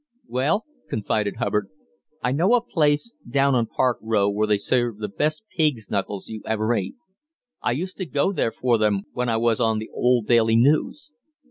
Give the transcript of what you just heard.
"Well," confided Hubbard, "I know a place down on Park Row where they serve the best pigs' knuckles you ever ate. I used to go there for them when I was on the old Daily News.